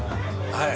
はい。